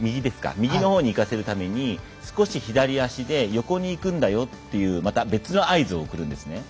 右のほうにいかせるために少し左足で横に行くんだよとまた別の合図を送るんです。